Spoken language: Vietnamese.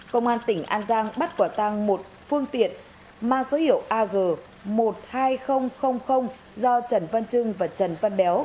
công an tỉnh an giang bắt quả tăng một phương tiện ma số hiệu ag một mươi hai nghìn do trần văn trưng và trần văn béo